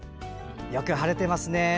よく晴れてますね。